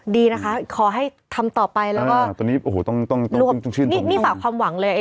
ดีนะคะขอให้ทำต่อไปแล้วก็เนี่ยปากความหวังเลย